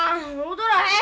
踊らへん。